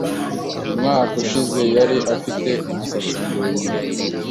Umwaka ushize yari afite umusatsi muremure.